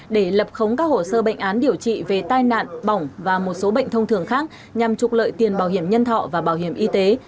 để lập khống các hồ sơ bệnh án điều trị về tai nạn bỏng và một số bệnh thông thường khác nhằm trục lợi tiền bảo hiểm nhân thọ và bảo hiểm y tế